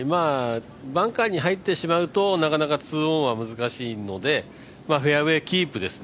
バンカーに入ってしまうと、なかなか２オンは難しいので、フェアウエーキープですね。